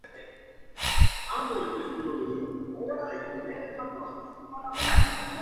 Se ha empleado esta especie en investigación científica.